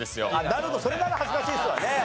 なるほどそれなら恥ずかしいですわね。